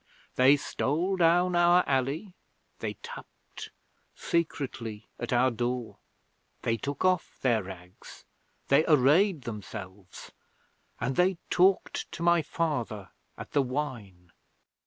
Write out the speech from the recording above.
They stole down our alley, they tapped secretly at our door, they took off their rags, they arrayed themselves, and they talked to my father at the wine.